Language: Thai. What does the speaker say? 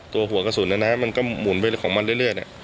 หัวกระสุนมันก็หมุนไปของมันเรื่อย